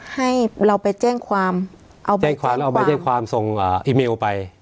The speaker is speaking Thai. ให้เราไปแจ้งความเอาไปแจ้งความเอาไปแจ้งความส่งอีเมลไป